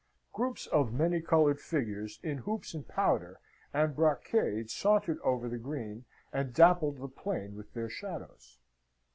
Groups of many coloured figures in hoops and powder and brocade sauntered over the green, and dappled the plain with their shadows.